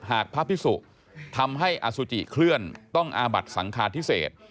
หากพระพิสุทำให้อสุจิเคลื่อนต้องอาบัติสังคาพิเศษ